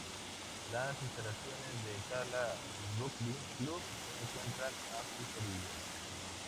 Las instalaciones del Tala Rugby Club se encuentran a sus orillas.